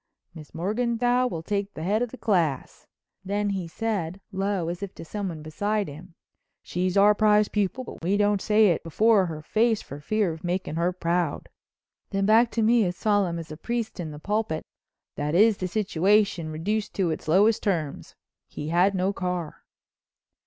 "Miss Morganthau will take the head of the class," then he said, low, as if to someone beside him: "She's our prize pupil but we don't say it before her face for fear of making her proud," then back to me as solemn as a priest in the pulpit, "That is the situation reduced to its lowest terms—he had no car."